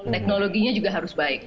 teknologinya juga harus baik